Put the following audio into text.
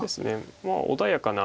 まあ穏やかな。